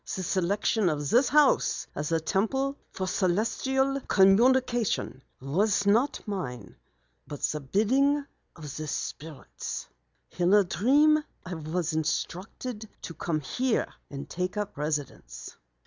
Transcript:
The selection of this house as a Temple for Celestial Communication was not mine, but the bidding of the Spirits. In a dream I was instructed to come here and take up residence."